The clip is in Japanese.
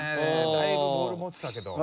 だいぶボール持ってたけど。